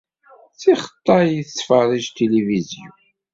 D tixeṭṭay i tettferrij tilivizyu.